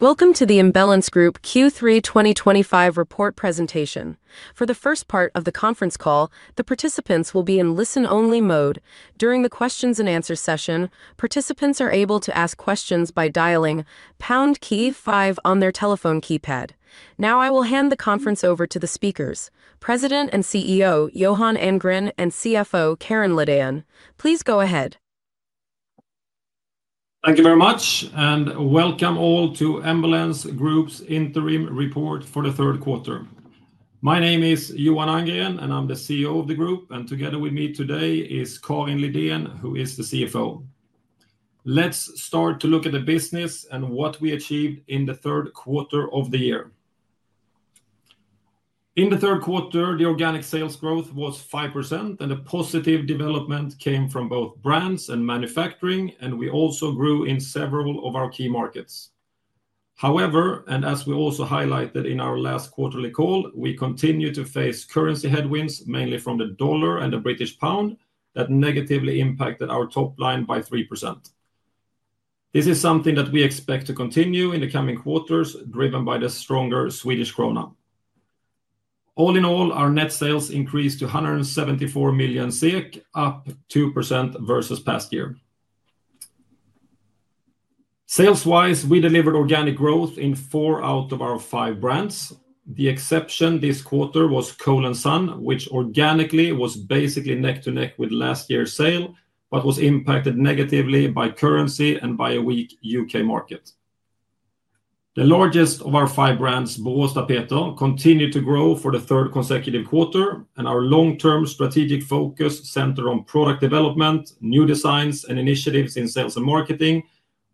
Welcome to the Embellence Group Q3 2025 report presentation. For the first part of the conference call, the participants will be in listen-only mode. During the Q&A session, participants are able to ask questions by dialing pound key five on their telephone keypad. Now I will hand the conference over to the speakers: President and CEO Johan Andgren and CFO Karin Lidén. Please go ahead. Thank you very much, and welcome all to Embellence Group's Interim Report for the third quarter. My name is Johan Andgren, and I'm the CEO of the group, and together with me today is Karin Lidén, who is the CFO. Let's start to look at the business and what we achieved in the third quarter of the year. In the third quarter, the organic sales growth was 5%, and the positive development came from both brands and manufacturing, and we also grew in several of our key markets. However, and as we also highlighted in our last quarterly call, we continue to face currency headwinds, mainly from the dollar and the British pound, that negatively impacted our top line by 3%. This is something that we expect to continue in the coming quarters, driven by the stronger Swedish krona. All in all, our net sales increased to 174 million, up 2% versus last year. Sales-wise, we delivered organic growth in four out of our five brands. The exception this quarter was Cole & Son, which organically was basically neck-to-neck with last year's sale, but was impacted negatively by currency and by a weak U.K. market. The largest of our five brands, Boråstapeter, continued to grow for the third consecutive quarter, and our long-term strategic focus, centered on product development, new designs, and initiatives in sales and marketing,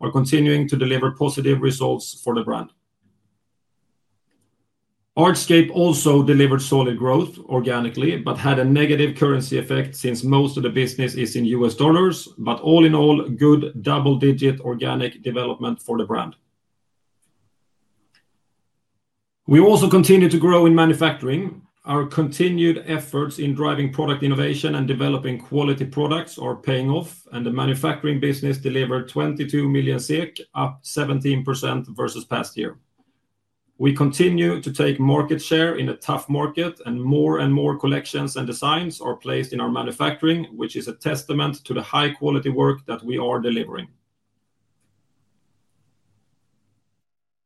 are continuing to deliver positive results for the brand. Artscape also delivered solid growth organically, but had a negative currency effect since most of the business is in US dollars, but all in all, good double-digit organic development for the brand. We also continue to grow in manufacturing. Our continued efforts in driving product innovation and developing quality products are paying off, and the manufacturing business delivered 22 million, up 17% versus last year. We continue to take market share in a tough market, and more and more collections and designs are placed in our manufacturing, which is a testament to the high-quality work that we are delivering.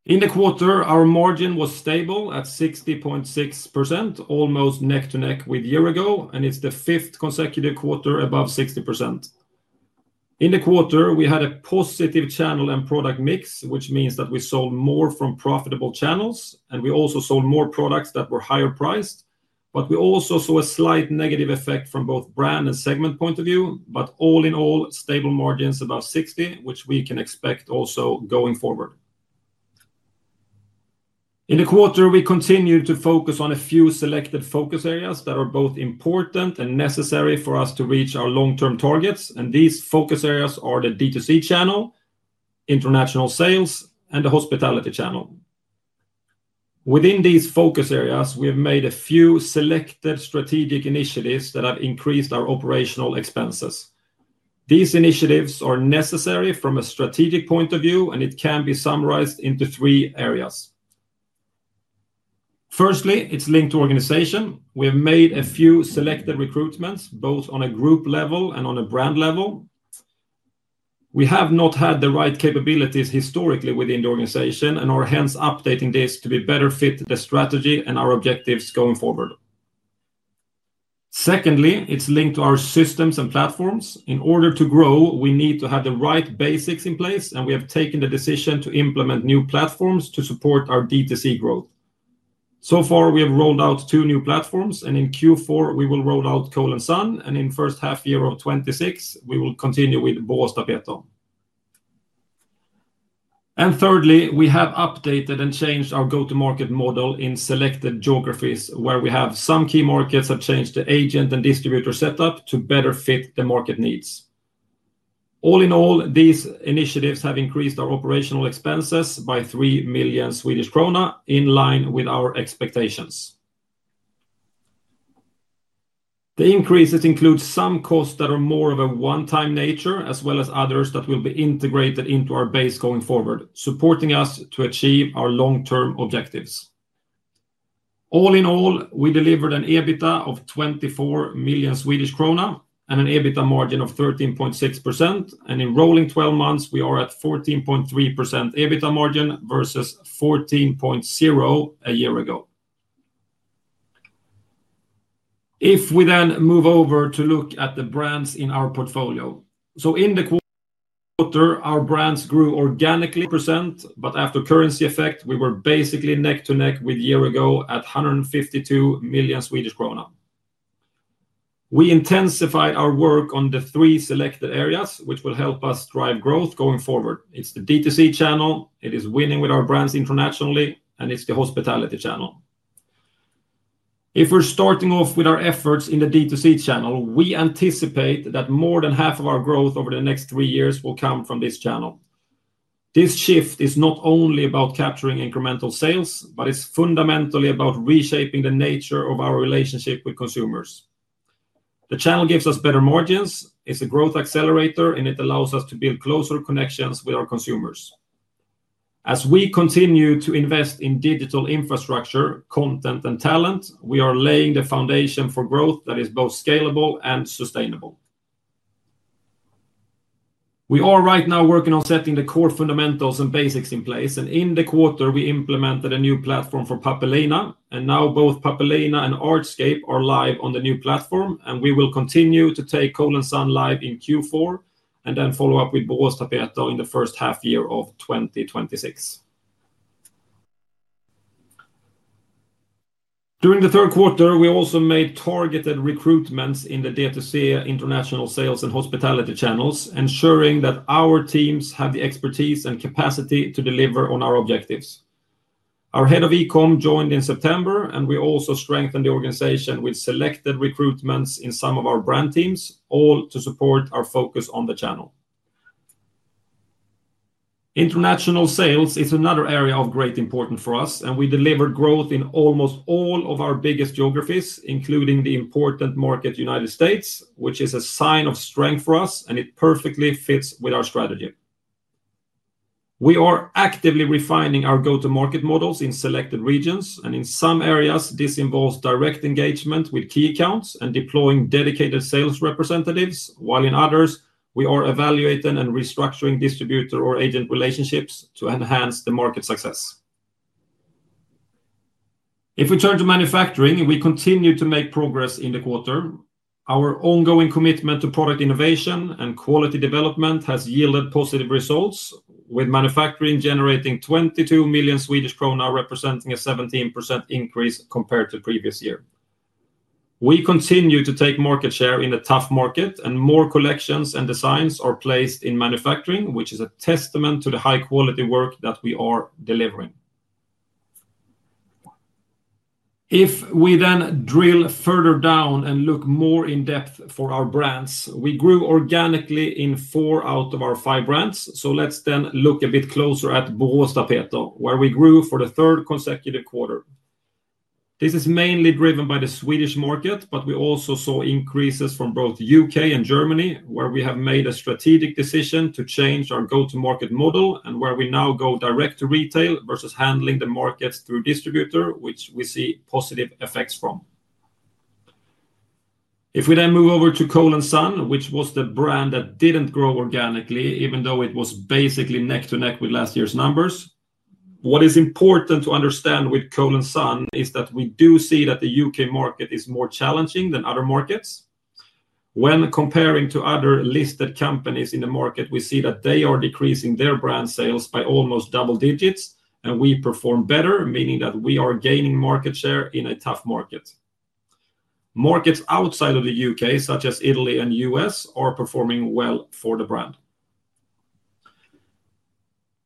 In the quarter, our margin was stable at 60.6%, almost neck-to-neck with the year ago, and it's the fifth consecutive quarter above 60%. In the quarter, we had a positive channel and product mix, which means that we sold more from profitable channels, and we also sold more products that were higher priced, but we also saw a slight negative effect from both brand and segment point of view, but all in all, stable margins above 60, which we can expect also going forward. In the quarter, we continue to focus on a few selected focus areas that are both important and necessary for us to reach our long-term targets, and these focus areas are the D2C channel, international sales, and the hospitality channel. Within these focus areas, we have made a few selected strategic initiatives that have increased our operational expenses. These initiatives are necessary from a strategic point of view, and it can be summarized into three areas. Firstly, it's linked to organization. We have made a few selected recruitments, both on a group level and on a brand level. We have not had the right capabilities historically within the organization and are hence updating this to better fit the strategy and our objectives going forward. Secondly, it's linked to our systems and platforms. In order to grow, we need to have the right basics in place, and we have taken the decision to implement new platforms to support our D2C growth. So far, we have rolled out two new platforms, and in Q4, we will roll out Cole & Son, and in the first half year of 2026, we will continue with Boråstapeter. Thirdly, we have updated and changed our go-to-market model in selected geographies, where we have some key markets that changed the agent and distributor setup to better fit the market needs. All in all, these initiatives have increased our operational expenses by 3 million Swedish krona, in line with our expectations. The increases include some costs that are more of a one-time nature, as well as others that will be integrated into our base going forward, supporting us to achieve our long-term objectives. All in all, we delivered an EBITDA of 24 million Swedish krona and an EBITDA margin of 13.6%, and in rolling 12 months, we are at 14.3% EBITDA margin versus 14.0% a year ago. If we then move over to look at the brands in our portfolio, in the quarter, our brands grew organically 4%, but after currency effect, we were basically neck-to-neck with the year ago at 152 million Swedish krona. We intensified our work on the three selected areas, which will help us drive growth going forward. It's the D2C channel, it is winning with our brands internationally, and it's the hospitality channel. If we're starting off with our efforts in the D2C channel, we anticipate that more than half of our growth over the next three years will come from this channel. This shift is not only about capturing incremental sales, but it's fundamentally about reshaping the nature of our relationship with consumers. The channel gives us better margins, it's a growth accelerator, and it allows us to build closer connections with our consumers. As we continue to invest in digital infrastructure, content, and talent, we are laying the foundation for growth that is both scalable and sustainable. We are right now working on setting the core fundamentals and basics in place, and in the quarter, we implemented a new platform for Pappelina, and now both Pappelina and Artscape are live on the new platform, and we will continue to take Cole & Son live in Q4 and then follow up with Boråstapeter in the first half year of 2026. During the third quarter, we also made targeted recruitments in the D2C international sales and hospitality channels, ensuring that our teams have the expertise and capacity to deliver on our objectives. Our head of e-com joined in September, and we also strengthened the organization with selected recruitments in some of our brand teams, all to support our focus on the channel. International sales is another area of great importance for us, and we delivered growth in almost all of our biggest geographies, including the important market United States, which is a sign of strength for us, and it perfectly fits with our strategy. We are actively refining our go-to-market models in selected regions, and in some areas, this involves direct engagement with key accounts and deploying dedicated sales representatives, while in others, we are evaluating and restructuring distributor or agent relationships to enhance the market success. If we turn to manufacturing, we continue to make progress in the quarter. Our ongoing commitment to product innovation and quality development has yielded positive results, with manufacturing generating 22 million Swedish krona, representing a 17% increase compared to the previous year. We continue to take market share in a tough market, and more collections and designs are placed in manufacturing, which is a testament to the high-quality work that we are delivering. If we then drill further down and look more in depth for our brands, we grew organically in four out of our five brands, so let's then look a bit closer at Boråstapeter, where we grew for the third consecutive quarter. This is mainly driven by the Swedish market, but we also saw increases from both the U.K. and Germany, where we have made a strategic decision to change our go-to-market model, and where we now go direct to retail versus handling the markets through distributor, which we see positive effects from. If we then move over to Cole & Son, which was the brand that didn't grow organically, even though it was basically neck-to-neck with last year's numbers, what is important to understand with Cole & Son is that we do see that the U.K. market is more challenging than other markets. When comparing to other listed companies in the market, we see that they are decreasing their brand sales by almost double digits, and we perform better, meaning that we are gaining market share in a tough market. Markets outside of the U.K., such as Italy and the United States, are performing well for the brand.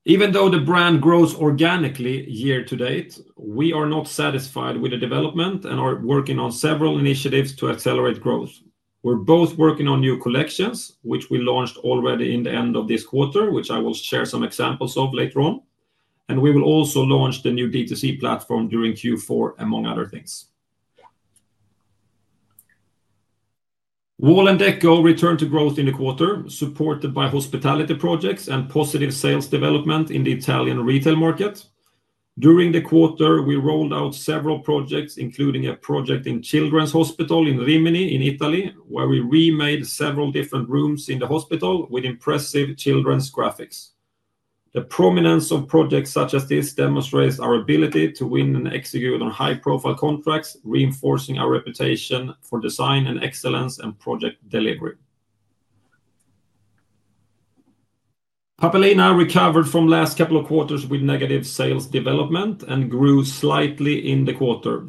Even though the brand grows organically year to date, we are not satisfied with the development and are working on several initiatives to accelerate growth. We're both working on new collections, which we launched already in the end of this quarter, which I will share some examples of later on, and we will also launch the new D2C platform during Q4, among other things. Wall&decò returned to growth in the quarter, supported by hospitality projects and positive sales development in the Italian retail market. During the quarter, we rolled out several projects, including a project in a children's hospital in Rimini in Italy, where we remade several different rooms in the hospital with impressive children's graphics. The prominence of projects such as this demonstrates our ability to win and execute on high-profile contracts, reinforcing our reputation for design and excellence and project delivery. Pappelina recovered from last couple of quarters with negative sales development and grew slightly in the quarter.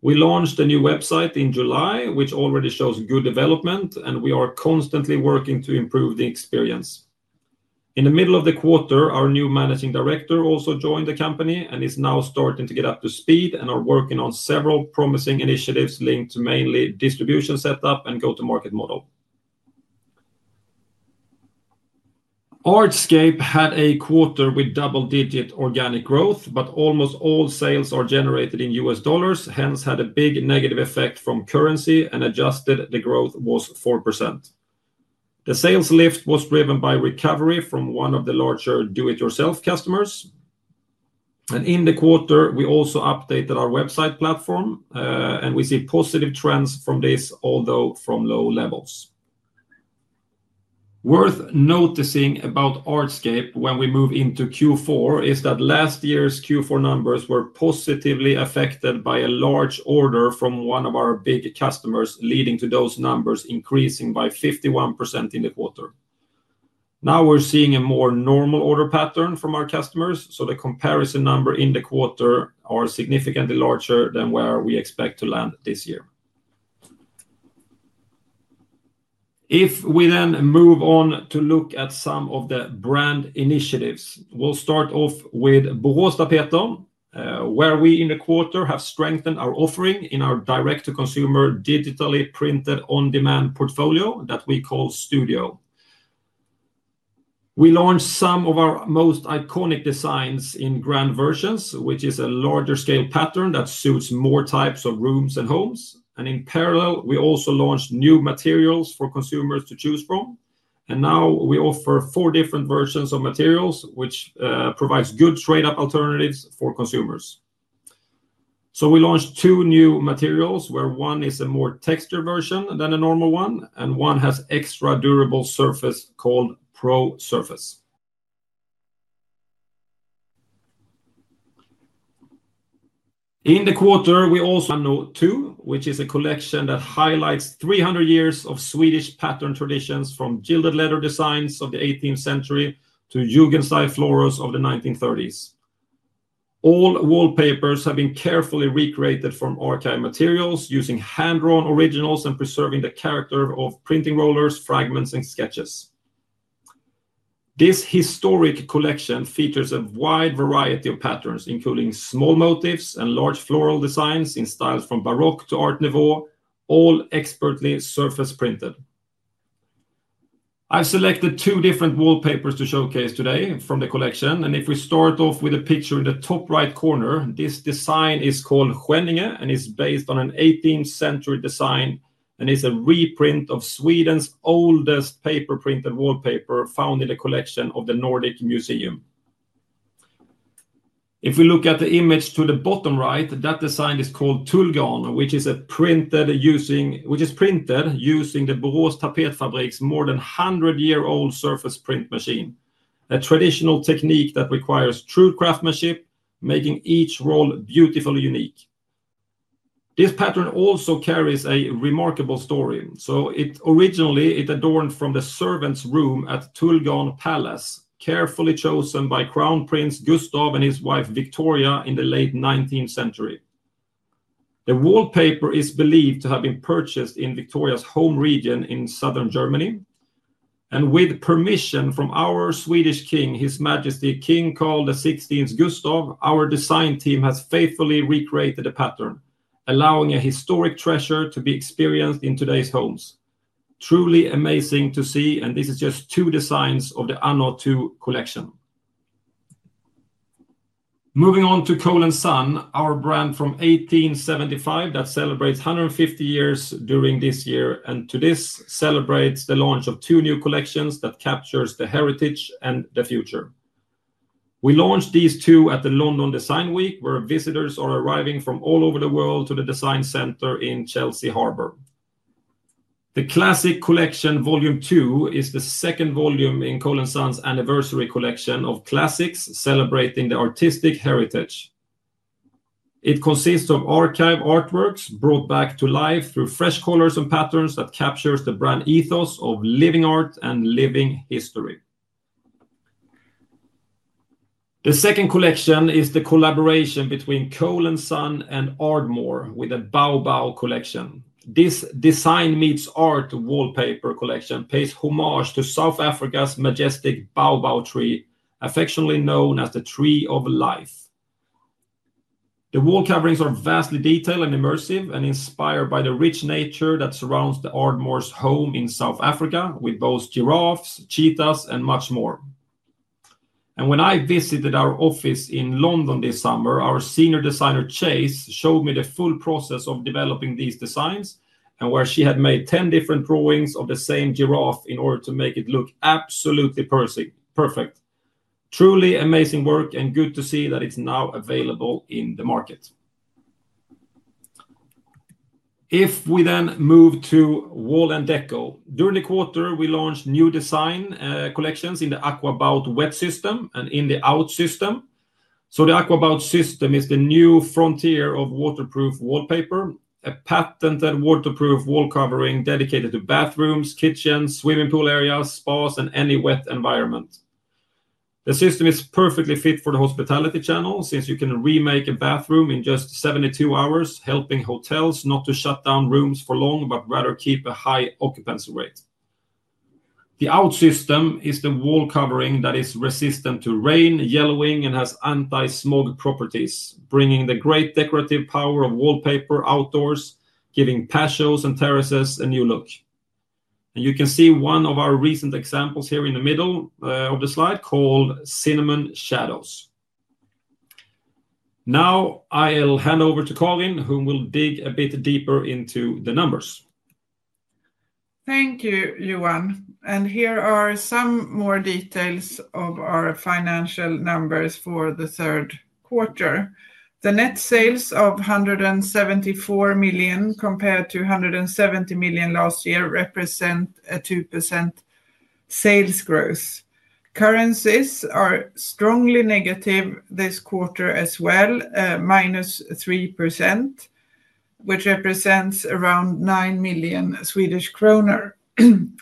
We launched a new website in July, which already shows good development, and we are constantly working to improve the experience. In the middle of the quarter, our new Managing Director also joined the company and is now starting to get up to speed and are working on several promising initiatives linked to mainly distribution setup and go-to-market model. Artscape had a quarter with double-digit organic growth, but almost all sales are generated in US dollars, hence had a big negative effect from currency and adjusted the growth was 4%. The sales lift was driven by recovery from one of the larger do-it-yourself customers. In the quarter, we also updated our website platform, and we see positive trends from this, although from low levels. Worth noticing about Artscape when we move into Q4 is that last year's Q4 numbers were positively affected by a large order from one of our big customers, leading to those numbers increasing by 51% in the quarter. Now we're seeing a more normal order pattern from our customers, so the comparison numbers in the quarter are significantly larger than where we expect to land this year. If we then move on to look at some of the brand initiatives, we'll start off with Boråstapeter, where we in the quarter have strengthened our offering in our direct-to-consumer digitally printed on-demand portfolio that we call Studio. We launched some of our most iconic designs in grand versions, which is a larger scale pattern that suits more types of rooms and homes, and in parallel, we also launched new materials for consumers to choose from, and now we offer four different versions of materials, which provides good trade-off alternatives for consumers. We launched two new materials, where one is a more textured version than a normal one, and one has extra durable surface called Pro Surface. In the quarter, we also have 102, which is a collection that highlights 300 years of Swedish pattern traditions from gilded leather designs of the 18th century to Jugendstil florals of the 1930s. All wallpapers have been carefully recreated from archive materials using hand-drawn originals and preserving the character of printing rollers, fragments, and sketches. This historic collection features a wide variety of patterns, including small motifs and large floral designs in styles from Baroque to Art Nouveau, all expertly surface-printed. I've selected two different wallpapers to showcase today from the collection, and if we start off with a picture in the top right corner, this design is called Skänninge and is based on an 18th-century design and is a reprint of Sweden's oldest paper-printed wallpaper found in the collection of the Nordic Museum. If we look at the image to the bottom right, that design is called Tullgarn, which is printed using the Boråstapeter fabric's more than 100-year-old surface-print machine, a traditional technique that requires true craftsmanship, making each roll beautifully unique. This pattern also carries a remarkable story. So originally, it adorned from the servant's room at Tullgarn Palace, carefully chosen by Crown Prince Gustav and his wife Victoria in the late 19th century. The wallpaper is believed to have been purchased in Victoria's home region in southern Germany, and with permission from our Swedish King, His Majesty King Carl XVI Gustaf, our design team has faithfully recreated the pattern, allowing a historic treasure to be experienced in today's homes. Truly amazing to see, and this is just two designs of the Anna II collection. Moving on to Cole & Son, our brand from 1875 that celebrates 150 years during this year and to this celebrates the launch of two new collections that capture the heritage and the future. We launched these two at the London Design Week, where visitors are arriving from all over the world to the Design Centre in Chelsea Harbour. The Classic Collection Volume Two is the second volume in Cole & Son's anniversary collection of classics celebrating the artistic heritage. It consists of archive artworks brought back to life through fresh colors and patterns that capture the brand ethos of living art and living history. The second collection is the collaboration between Cole & Son and Ardmore with the Baobab Collection. This design meets art wallpaper collection pays homage to South Africa's majestic baobab tree, affectionately known as the Tree of Life. The wallcoverings are vastly detailed and immersive and inspired by the rich nature that surrounds Ardmore's home in South Africa, with both giraffes, cheetahs, and much more. When I visited our office in London this summer, our senior designer, Chase, showed me the full process of developing these designs and where she had made 10 different drawings of the same giraffe in order to make it look absolutely perfect. Truly amazing work and good to see that it's now available in the market. If we then move to Wall&decò, during the quarter, we launched new design collections in the AquaBout Wet System and in the Out System. The AquaBout system is the new frontier of waterproof wallpaper, a patented waterproof wallcovering dedicated to bathrooms, kitchens, swimming pool areas, spas, and any wet environment. The system is perfectly fit for the hospitality channel since you can remake a bathroom in just 72 hours, helping hotels not to shut down rooms for long, but rather keep a high occupancy rate. The Out system is the wall covering that is resistant to rain, yellowing, and has anti-smog properties, bringing the great decorative power of wallpaper outdoors, giving patios and terraces a new look. You can see one of our recent examples here in the middle of the slide called Cinnamon Shadows. Now I'll hand over to Karin, who will dig a bit deeper into the numbers. Thank you, Johan. Here are some more details of our financial numbers for the third quarter. The net sales of 174 million compared to 170 million last year represent a 2% sales growth. Currencies are strongly negative this quarter as well, minus 3%, which represents around 9 million Swedish kronor.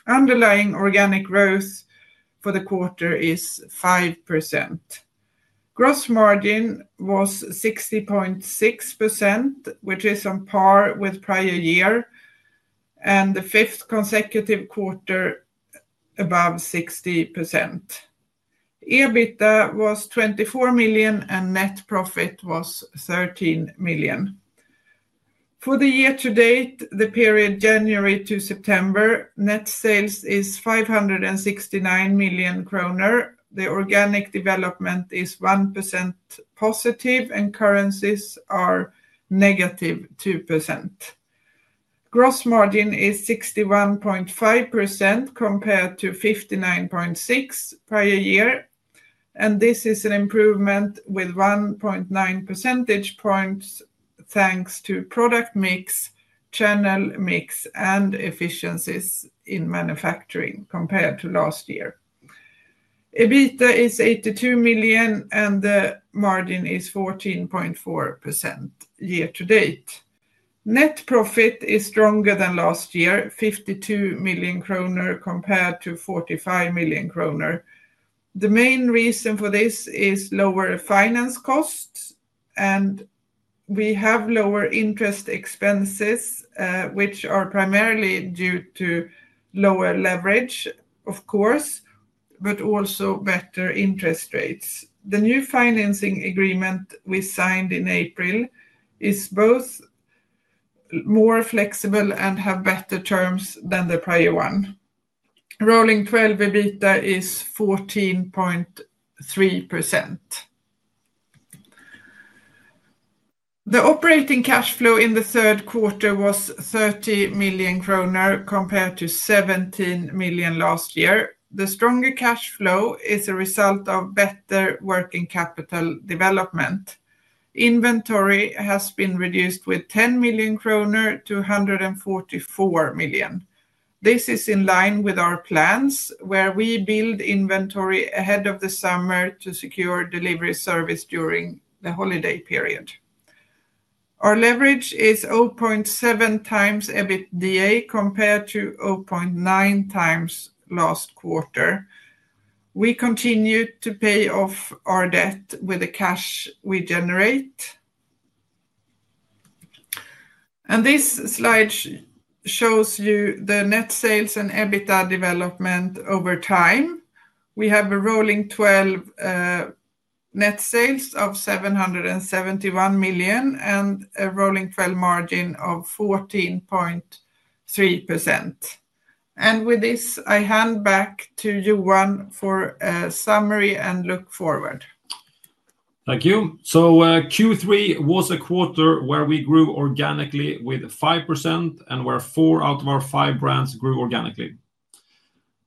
Underlying organic growth for the quarter is 5%. Gross margin was 60.6%, which is on par with prior year, and the fifth consecutive quarter above 60%. EBITDA was 24 million and net profit was 13 million. For the year to date, the period January to September, net sales is 569 million kronor. The organic development is 1% positive and currencies are negative 2%. Gross margin is 61.5% compared to 59.6% prior year, and this is an improvement with 1.9 percentage points thanks to product mix, channel mix, and efficiencies in manufacturing compared to last year. EBITDA is 82 million and the margin is 14.4% year to date. Net profit is stronger than last year, 52 million kronor compared to 45 million kronor. The main reason for this is lower finance costs, and we have lower interest expenses, which are primarily due to lower leverage, of course, but also better interest rates. The new financing agreement we signed in April is both more flexible and has better terms than the prior one. Rolling 12 EBITDA is 14.3%. The operating cash flow in the third quarter was 30 million kronor compared to 17 million last year. The stronger cash flow is a result of better working capital development. Inventory has been reduced with 10 million kronor to 144 million. This is in line with our plans, where we build inventory ahead of the summer to secure delivery service during the holiday period. Our leverage is 0.7x EBITDA compared to 0.9x last quarter. We continue to pay off our debt with the cash we generate. This slide shows you the net sales and EBITDA development over time. We have a rolling 12 net sales of 771 million and a rolling 12 margin of 14.3%. With this, I hand back to Johan for a summary and look forward. Thank you. Q3 was a quarter where we grew organically with 5% and where four out of our five brands grew organically.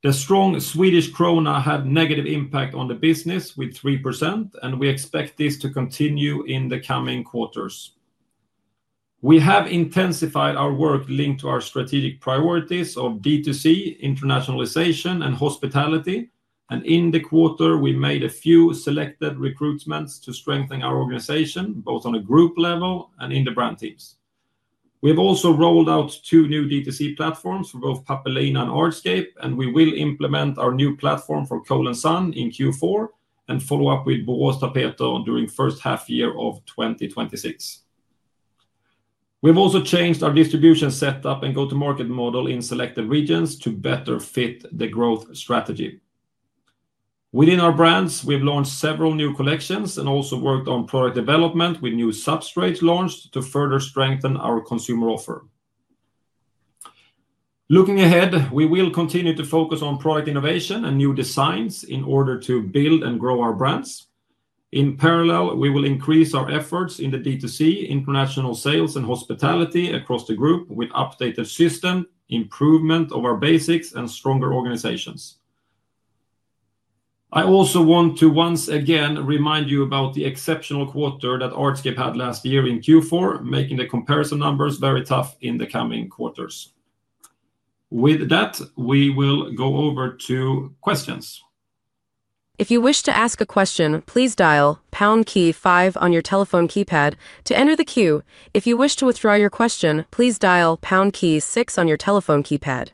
The strong Swedish krona had a negative impact on the business with 3%, and we expect this to continue in the coming quarters. We have intensified our work linked to our strategic priorities of D2C, internationalization, and hospitality, and in the quarter, we made a few selected recruitments to strengthen our organization, both on a group level and in the brand teams. We have also rolled out two new D2C platforms for both Pappelina and Artscape, and we will implement our new platform for Cole & Son in Q4 and follow up with Boråstapeter during the first half year of 2026. We've also changed our distribution setup and go-to-market model in selected regions to better fit the growth strategy. Within our brands, we've launched several new collections and also worked on product development with new substrates launched to further strengthen our consumer offer. Looking ahead, we will continue to focus on product innovation and new designs in order to build and grow our brands. In parallel, we will increase our efforts in the D2C, international sales, and hospitality across the group with updated system improvement of our basics and stronger organizations. I also want to once again remind you about the exceptional quarter that Artscape had last year in Q4, making the comparison numbers very tough in the coming quarters. With that, we will go over to questions. If you wish to ask a question, please dial pound key five on your telephone keypad to enter the queue. If you wish to withdraw your question, please dial pound key six on your telephone keypad.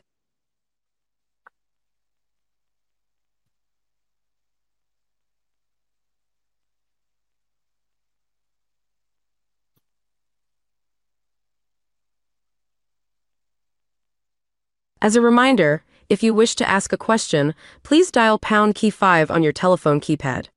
As a reminder, if you wish to ask a question, please dial pound key five on your telephone keypad.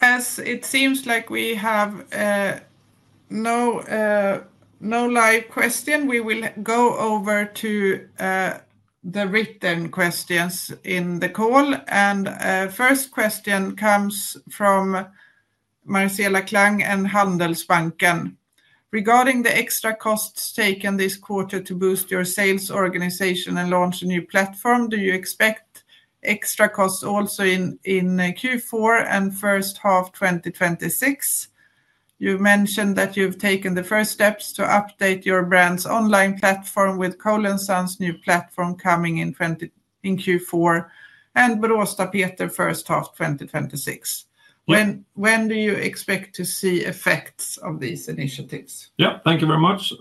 As it seems like we have no live question, we will go over to the written questions in the call. And first question comes from Marcelo Klang and Handelsbanken. Regarding the extra costs taken this quarter to boost your sales organization and launch a new platform, do you expect extra costs also in Q4 and first half 2026? You mentioned that you've taken the first steps to update your brand's online platform with Cole & Son's new platform coming in Q4 and Boråstapeter first half 2026. When do you expect to see effects of these initiatives? Yeah, thank you very much.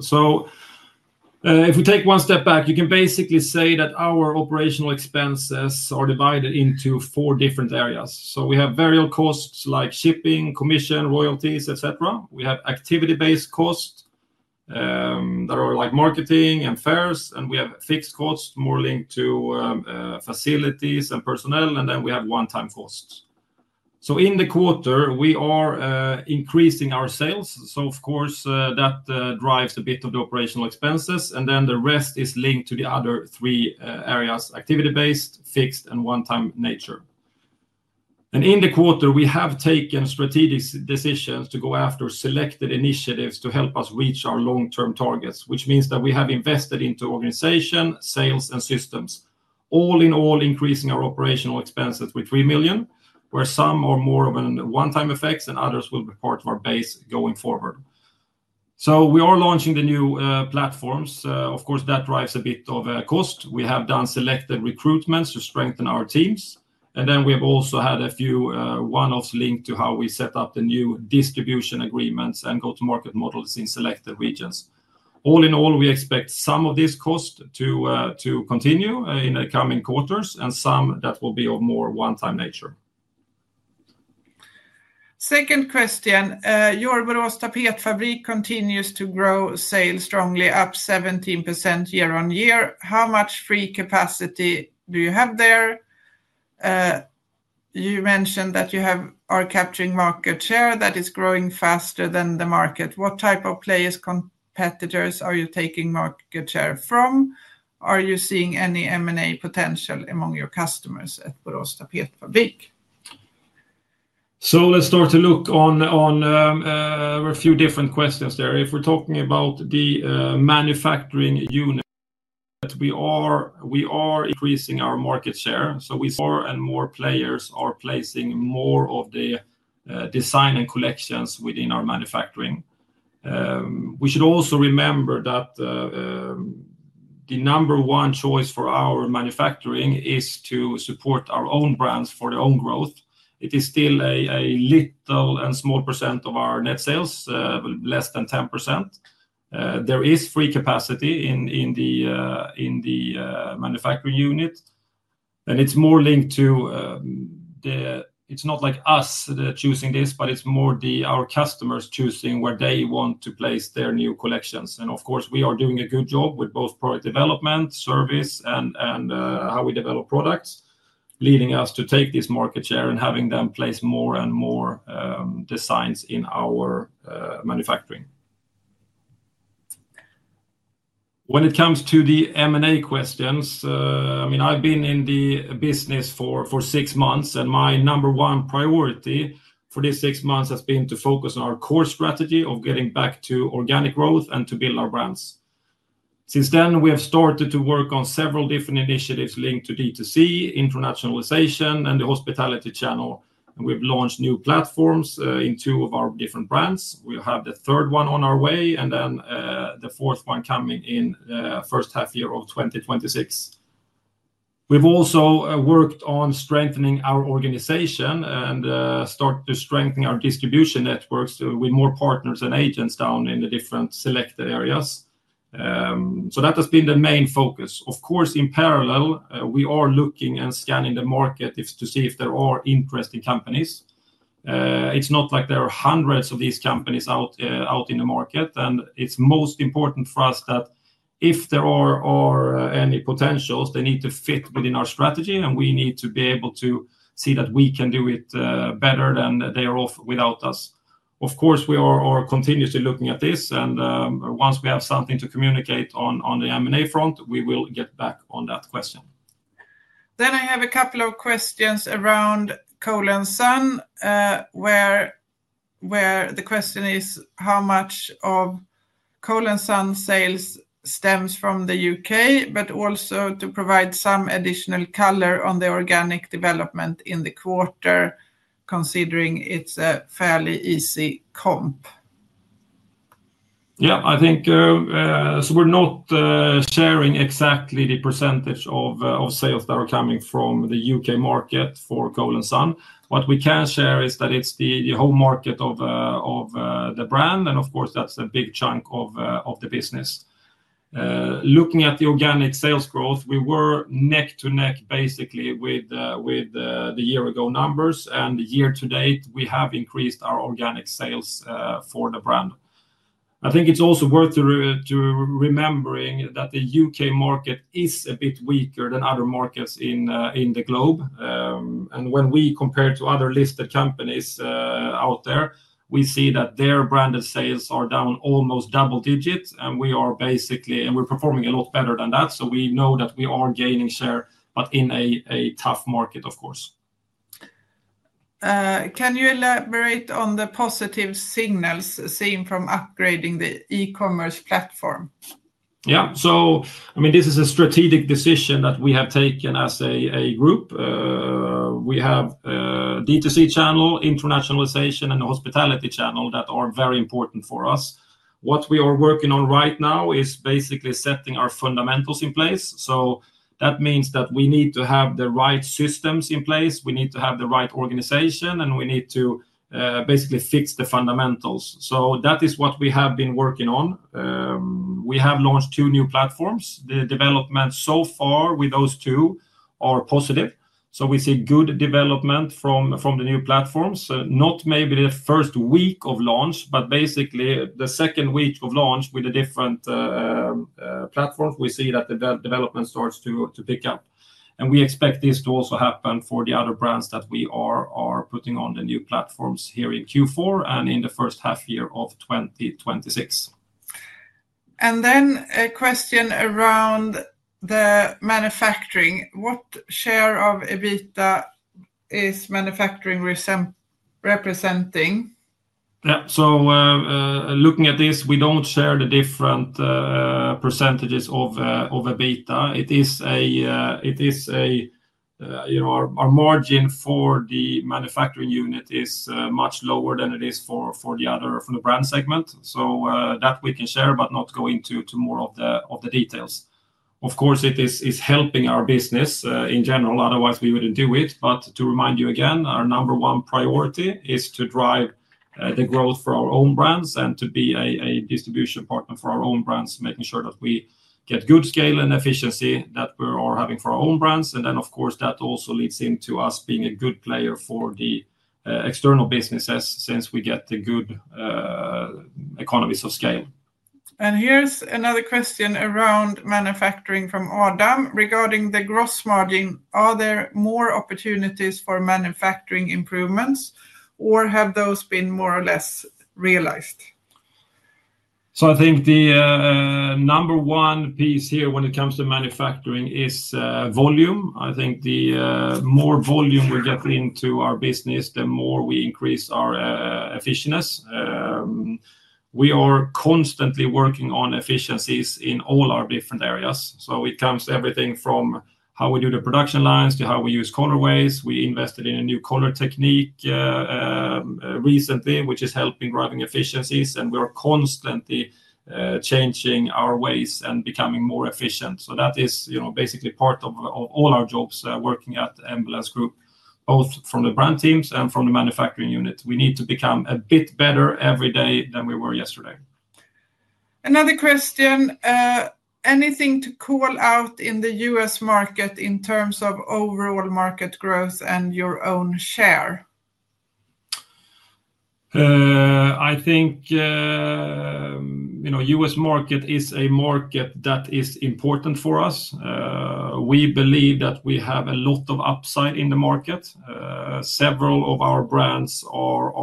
If we take one step back, you can basically say that our operational expenses are divided into four different areas. We have variable costs like shipping, commission, royalties, etc. We have activity-based costs that are like marketing and fairs, and we have fixed costs more linked to facilities and personnel, and then we have one-time costs. In the quarter, we are increasing our sales. Of course, that drives a bit of the operational expenses, and then the rest is linked to the other three areas: activity-based, fixed, and one-time nature. In the quarter, we have taken strategic decisions to go after selected initiatives to help us reach our long-term targets, which means that we have invested into organization, sales, and systems. All in all, increasing our operational expenses with 3 million, where some are more of one-time effects and others will be part of our base going forward. We are launching the new platforms. Of course, that drives a bit of a cost. We have done selected recruitments to strengthen our teams. We have also had a few one-offs linked to how we set up the new distribution agreements and go-to-market models in selected regions. All in all, we expect some of these costs to continue in the coming quarters and some that will be of more one-time nature. Second question. Your Boråstapeter fabric continues to grow sales strongly, up 17% year-on-year. How much free capacity do you have there? You mentioned that you are capturing market share that is growing faster than the market. What type of players and competitors are you taking market share from? Are you seeing any M&A potential among your customers at Boråstapeter fabric? Let's start to look on a few different questions there. If we're talking about the manufacturing unit, we are increasing our market share. More and more players are placing more of the design and collections within our manufacturing. We should also remember that the number one choice for our manufacturing is to support our own brands for their own growth. It is still a little and small percent of our net sales, less than 10%. There is free capacity in the manufacturing unit. It's not like us choosing this, but it's more our customers choosing where they want to place their new collections. We are doing a good job with both product development, service, and how we develop products, leading us to take this market share and having them place more and more designs in our manufacturing. When it comes to the M&A questions, I mean, I've been in the business for six months, and my number one priority for these six months has been to focus on our core strategy of getting back to organic growth and to build our brands. Since then, we have started to work on several different initiatives linked to D2C, internationalization, and the hospitality channel. We've launched new platforms in two of our different brands. We'll have the third one on our way and then the fourth one coming in the first half year of 2026. We've also worked on strengthening our organization and started to strengthen our distribution networks with more partners and agents down in the different selected areas. That has been the main focus. Of course, in parallel, we are looking and scanning the market to see if there are interesting companies. It's not like there are hundreds of these companies out in the market, and it's most important for us that if there are any potentials, they need to fit within our strategy, and we need to be able to see that we can do it better than they are without us. Of course, we are continuously looking at this, and once we have something to communicate on the M&A front, we will get back on that question. Then I have a couple of questions around Cole & Son. Where the question is how much of Cole & Son's sales stems from the U.K., but also to provide some additional color on the organic development in the quarter, considering it's a fairly easy comp. Yeah, I think. So we're not sharing exactly the percentage of sales that are coming from the U.K. market for Cole & Son. What we can share is that it's the whole market of the brand, and of course, that's a big chunk of the business. Looking at the organic sales growth, we were neck to neck basically with the year-ago numbers, and year to date, we have increased our organic sales for the brand. I think it's also worth remembering that the U.K. market is a bit weaker than other markets in the globe. When we compare to other listed companies out there, we see that their branded sales are down almost double digits, and we are basically, and we're performing a lot better than that. We know that we are gaining share, but in a tough market, of course. Can you elaborate on the positive signals seen from upgrading the e-commerce platform? Yeah, so I mean, this is a strategic decision that we have taken as a group. We have D2C channel, internationalization, and the hospitality channel that are very important for us. What we are working on right now is basically setting our fundamentals in place. That means that we need to have the right systems in place. We need to have the right organization, and we need to basically fix the fundamentals. That is what we have been working on. We have launched two new platforms. The development so far with those two are positive. We see good development from the new platforms, not maybe the first week of launch, but basically the second week of launch with a different platform. We see that the development starts to pick up. We expect this to also happen for the other brands that we are putting on the new platforms here in Q4 and in the first half year of 2026. A question around the manufacturing. What share of EBITDA is manufacturing representing? Yeah, so looking at this, we don't share the different percentages of EBITDA. Our margin for the manufacturing unit is much lower than it is for the other brand segment. That we can share, but not go into more of the details. Of course, it is helping our business in general. Otherwise, we would not do it. To remind you again, our number one priority is to drive the growth for our own brands and to be a distribution partner for our own brands, making sure that we get good scale and efficiency that we are having for our own brands. That also leads into us being a good player for the external businesses since we get the good economies of scale. Here is another question around manufacturing from Adam regarding the gross margin. Are there more opportunities for manufacturing improvements, or have those been more or less realized? I think the number one piece here when it comes to manufacturing is volume. The more volume we get into our business, the more we increase our efficiency. We are constantly working on efficiencies in all our different areas. It comes to everything from how we do the production lines to how we use colorways. We invested in a new color technique recently, which is helping driving efficiencies, and we are constantly changing our ways and becoming more efficient. That is basically part of all our jobs working at Embellence Group, both from the brand teams and from the manufacturing unit. We need to become a bit better every day than we were yesterday. Another question. Anything to call out in the U.S. market in terms of overall market growth and your own share? I think the U.S. market is a market that is important for us. We believe that we have a lot of upside in the market. Several of our brands are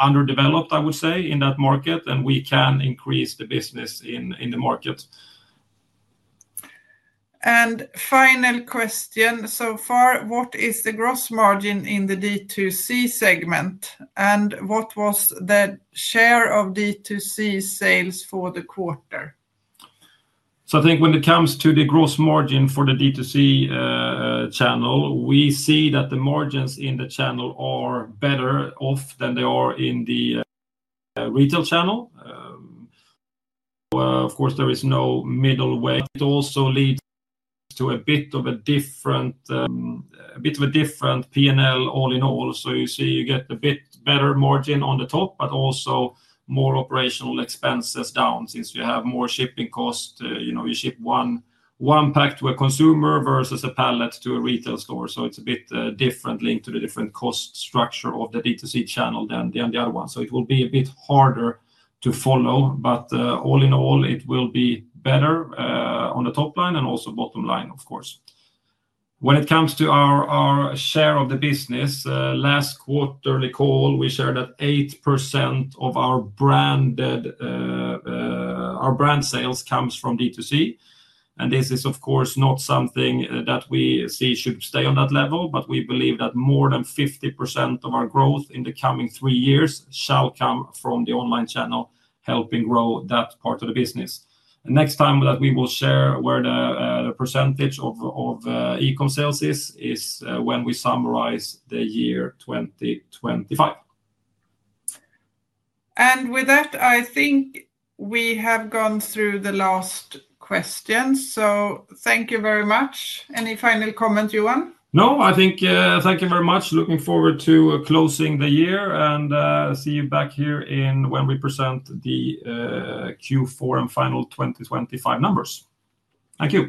underdeveloped, I would say, in that market, and we can increase the business in the market. Final question. So far, what is the gross margin in the D2C segment, and what was the share of D2C sales for the quarter? I think when it comes to the gross margin for the D2C channel, we see that the margins in the channel are better off than they are in the retail channel. There is no middle way. It also leads to a bit of a different P&L all in all. You get a bit better margin on the top, but also more operational expenses down since you have more shipping costs. You ship one pack to a consumer versus a pallet to a retail store. It is a bit different linked to the different cost structure of the D2C channel than the other one. It will be a bit harder to follow, but all in all, it will be better on the top line and also bottom line, of course. When it comes to our share of the business, last quarterly call, we shared that 8% of our brand sales comes from D2C. This is, of course, not something that we see should stay on that level, but we believe that more than 50% of our growth in the coming three years shall come from the online channel, helping grow that part of the business. The next time that we will share where the percentage of e-commerce sales is, is when we summarize the year 2025. With that, I think we have gone through the last questions. Thank you very much. Any final comment, Johan? No, I think thank you very much. Looking forward to closing the year and see you back here when we present the Q4 and final 2025 numbers. Thank you.